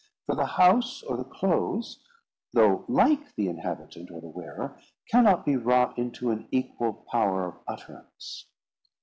For the house or the clothes, though like the inhabitant or the wearer, cannot be wrought into an equal power of utterance.